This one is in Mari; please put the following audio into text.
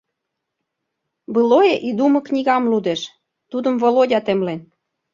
«Былое и думы» книгам лудеш, тудым Володя темлен.